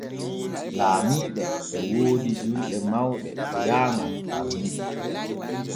Laamiiɓe e woodi julɗe mawɗe jaaŋo far Niki.